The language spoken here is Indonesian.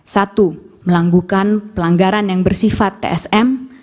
satu melanggukan pelanggaran yang bersifat tsm